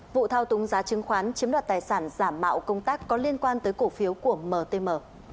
vụ thao túng giá chứng khoán chiếm đoạt tài sản giảm mạo công tác có liên quan tới cổ phiếu của mtm